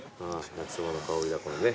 焼きそばの香りだこれね